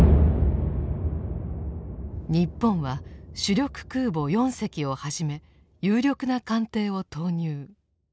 日本は主力空母４隻をはじめ有力な艦艇を投入。